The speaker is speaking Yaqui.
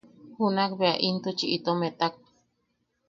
Junak bea intuchi itom etak.